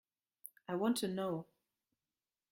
I want to know.